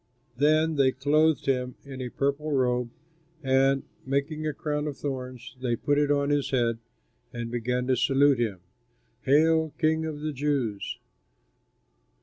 Then they clothed him in a purple robe and, making a crown of thorns, they put it on his head and began to salute him, "Hail, King of the Jews!"